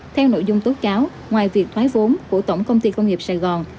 theo nội dung tố cáo ngoài việc thoái vốn của tổng công ty công nghiệp sài gòn